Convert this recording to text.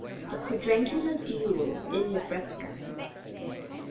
A QUADRANGULAR DUEL IN NEBRASKA.